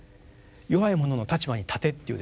弱い者の立場に立てっていうですね。